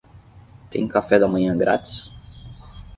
Tem café da manhã grátis?